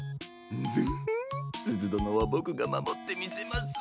ンヅフッすずどのはボクがまもってみせます。